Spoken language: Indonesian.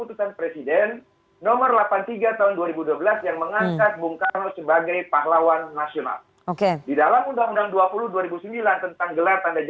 dan kesejahteraannya teruji